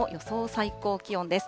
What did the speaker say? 最高気温です。